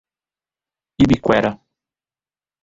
Ibiquera